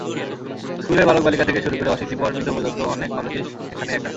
স্কুলের বালক-বালিকা থেকে শুরু করে অশীতিপর বৃদ্ধ পর্যন্ত অনেক মানুষই সেখানে একা।